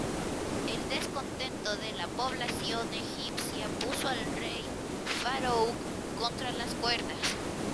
El descontento de la población egipcia puso al rey Farouk contra las cuerdas.